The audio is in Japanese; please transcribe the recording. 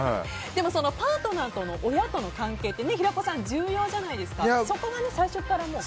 でもそのパートナー親との関係って重要じゃないですか。